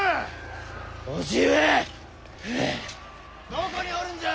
どこにおるんじゃ！